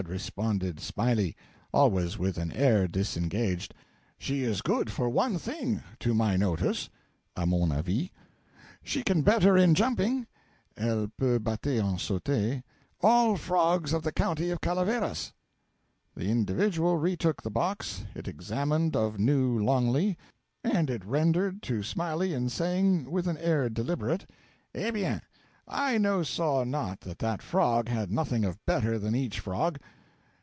responded Smiley, always with an air disengaged, 'she is good for one thing, to my notice (a mon avis), she can better in jumping (elle peut batter en sautant) all frogs of the county of Calaveras.' The individual retook the box, it examined of new longly, and it rendered to Smiley in saying with an air deliberate: 'Eh bien! I no saw not that that frog had nothing of better than each frog.'